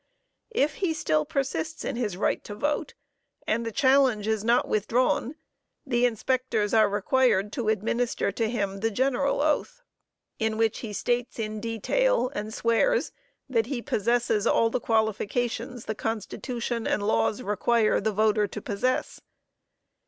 If he still persists in his right to vote, and the challenge is not withdrawn, the inspectors are required to administer to him the general oath, in which he states in detail, and swears, that he possesses all the qualifications the Constitution and laws require the voter to possess.